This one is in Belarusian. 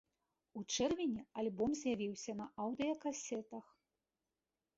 У чэрвені альбом з'явіўся на аўдыёкасетах.